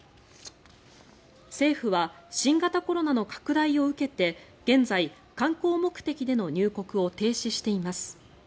政府は新型コロナの拡大を受けて現在、観光目的での入国を停止しています。